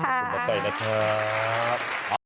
ขอบคุณหมอไก่นะคะ